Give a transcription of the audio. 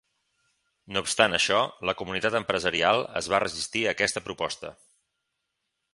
No obstant això, la comunitat empresarial es va resistir a aquesta proposta.